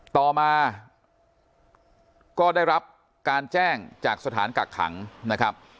ต่อมาก็ได้รับการแจ้งจากสถานกักขังนะครับ